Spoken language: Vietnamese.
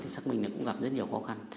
thì xác minh cũng gặp rất nhiều khó khăn